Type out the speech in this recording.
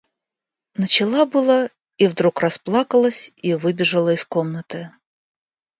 Начала было и вдруг расплакалась и выбежала из комнаты.